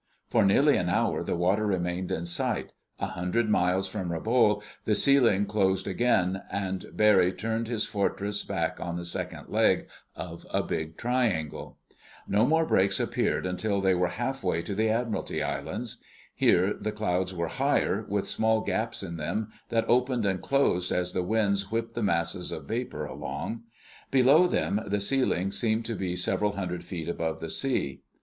For nearly an hour the water remained in sight. A hundred miles from Rabaul the ceiling closed again, and Barry turned his Fortress back on the second leg of a big triangle. No more breaks appeared until they were halfway to the Admiralty Islands. Here the clouds were higher, with small gaps in them that opened and closed as the winds whipped the masses of vapor along. Below them the ceiling seemed to be several hundred feet above the sea.